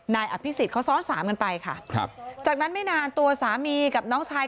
นายอภิษฎเขาซ้อนสามกันไปค่ะครับจากนั้นไม่นานตัวสามีกับน้องชาย